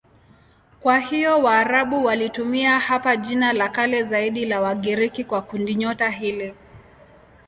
Kwa hiyo Waarabu walitumia hapa jina la kale zaidi la Wagiriki kwa kundinyota hili.